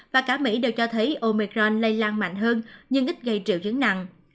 và cả mỹ đều cho thấy omicron lây lan mạnh hơn nhưng ít gây triệu chứng nặng